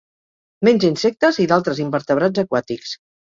Menja insectes i d'altres invertebrats aquàtics.